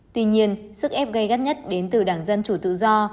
tuy nhiên sức ép gây gắt nhất đến từ đảng dân chủ tự do